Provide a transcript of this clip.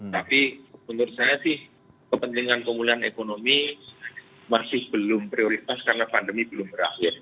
tapi menurut saya sih kepentingan pemulihan ekonomi masih belum prioritas karena pandemi belum berakhir